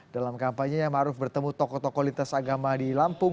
dalam kampanye nya maruf bertemu tokoh tokoh lintas agama di lampung